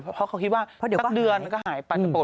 เพราะเขาคิดว่าสักเดือนก็หายไป